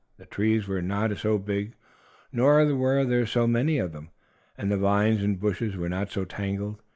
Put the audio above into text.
The trees were not so big, nor were there so many of them, and the vines and bushes were not so tangled.